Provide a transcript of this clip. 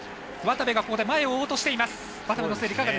渡部が前を追おうとしています。